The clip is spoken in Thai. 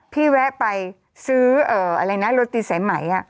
แวะไปซื้ออะไรนะโรตีสายไหม